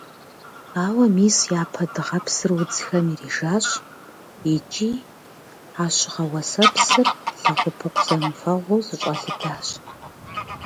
Ауэ мис япэ дыгъэпсыр удзхэм ирижащ икӀи а щыгъэ-уэсэпсыр лэгъупыкъу зэмыфэгъуу зэщӀэлыдащ.